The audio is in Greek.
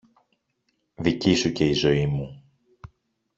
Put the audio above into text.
δική σου και η ζωή μου!